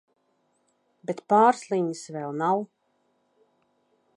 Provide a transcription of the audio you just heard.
Bet Pārsliņas vēl nav...